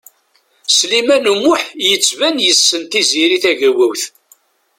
Sliman U Muḥ yettban yessen Tiziri Tagawawt.